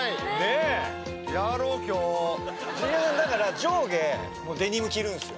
えジュニアさんだから上下デニム着るんすよ